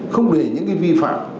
không để những vi phạm